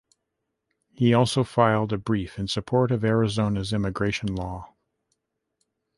He also filed a brief in support of Arizona's immigration law.